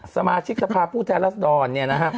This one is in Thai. สมาชิกสภาพผู้แทนรัศดรเนี่ยนะฮะ